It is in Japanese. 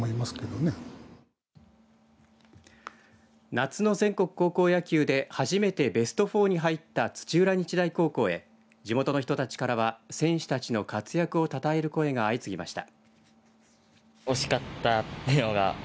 夏の全国高校野球で初めてベストフォーに入った土浦日大高校へ地元の人たちからは選手たちの活躍をたたえる声が相次ぎました。